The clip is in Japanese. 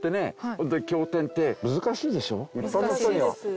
ホントに経典って難しいでしょ？